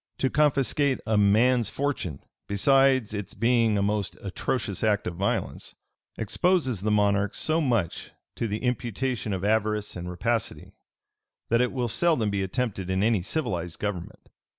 To confiscate a man's fortune, besides its being a most atrocious act of violence, exposes the monarch so much to the imputation of avarice and rapacity, that it will seldom be attempted in any civilized government.